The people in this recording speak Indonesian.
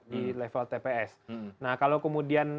di level tps nah kalau kemudian